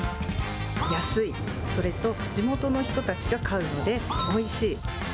安い、それと地元の人たちが買うので、おいしい。